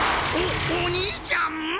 おおにいちゃん！？